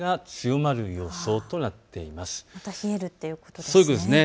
また冷えるということですね。